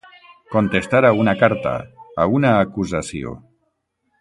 Contestar a una carta, a una acusació.